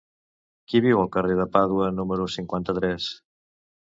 Qui viu al carrer de Pàdua número cinquanta-tres?